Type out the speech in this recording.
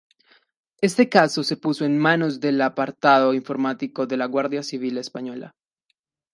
Este caso se puso en manos del apartado informático de la guardia civil Española.